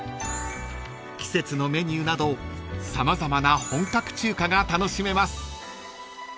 ［季節のメニューなど様々な本格中華が楽しめます］